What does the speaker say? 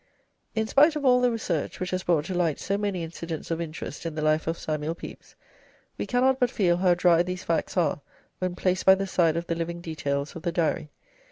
In spite of all the research which has brought to light so many incidents of interest in the life of Samuel Pepys, we cannot but feel how dry these facts are when placed by the side of the living details of the Diary.